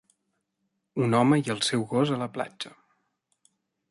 Un home i el seu gos a la platja.